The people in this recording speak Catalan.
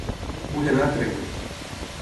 Vull anar a Tremp